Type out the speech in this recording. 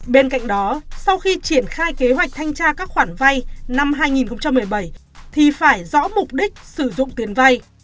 bên cạnh đó sau khi triển khai kế hoạch thanh tra các khoản vay năm hai nghìn một mươi bảy thì phải rõ mục đích sử dụng tiền vay